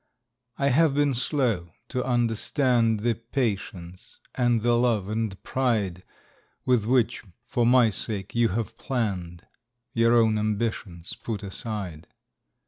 I have been slow to understand The patience and the love and pride "With which for my sake you have hour own ambitions put aside.